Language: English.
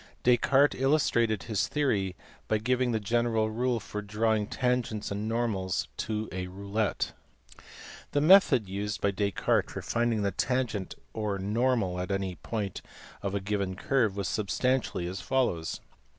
Descartes illustrated his theory by giving the general rule for drawing tangents and normals to a roulette. The method used by Descartes to find the tangent or normal at any point of a given curve was substantially as follows.